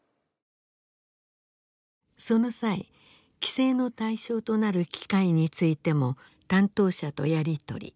その際規制の対象となる機械についても担当者とやり取り。